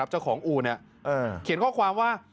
เจ้าของอู๋เขียนข้อความว่า